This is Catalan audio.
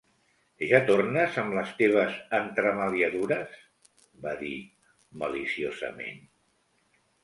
"Ja tornes amb les teves entremaliadures?", va dir maliciosament.